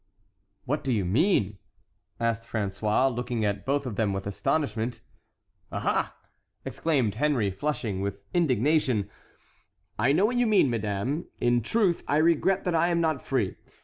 "What do you mean?" asked François, looking at both of them with astonishment. "Aha!" exclaimed Henry, flushing, with indignation, "I know what you mean, madame. In truth, I regret that I am not free.